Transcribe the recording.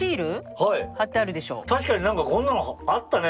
確かに何かこんなのあったね。